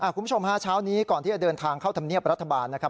คุณผู้ชมฮะเช้านี้ก่อนที่จะเดินทางเข้าธรรมเนียบรัฐบาลนะครับ